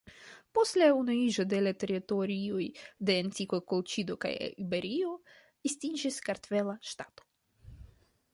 Post la unuiĝo de la teritorioj de antikva Kolĉido kaj Iberio estiĝis Kartvela ŝtato.